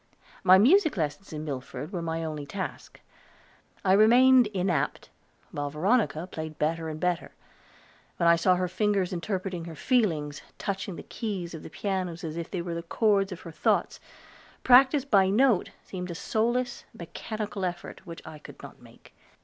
My music lessons in Milford were my only task. I remained inapt, while Veronica played better and better; when I saw her fingers interpreting her feelings, touching the keys of the piano as if they were the chords of her thoughts, practice by note seemed a soulless, mechanical effort, which I would not make.